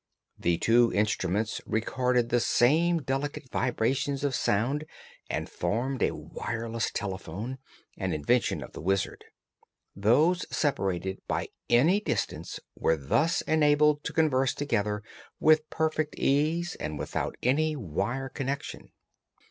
The two instruments recorded the same delicate vibrations of sound and formed a wireless telephone, an invention of the Wizard. Those separated by any distance were thus enabled to converse together with perfect ease and without any wire connection.